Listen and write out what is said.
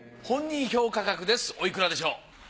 本人評価額ですおいくらでしょう？